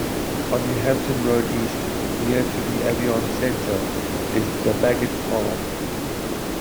On Newhampton Road East, near to the Avion Centre, is "The Bagot Arms".